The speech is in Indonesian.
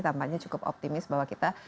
tampaknya cukup optimis bahwa kita